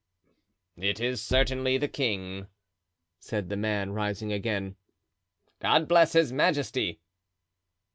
"It is certainly the king," said the man, rising again. "God bless his majesty!"